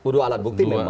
dua alat bukti memang